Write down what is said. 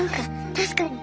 確かに！